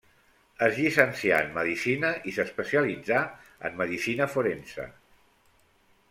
Es llicencià en medicina i s'especialitzà en medicina forense.